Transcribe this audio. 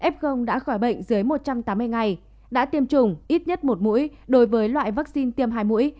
f đã khỏi bệnh dưới một trăm tám mươi ngày đã tiêm chủng ít nhất một mũi đối với loại vaccine tiêm hai mũi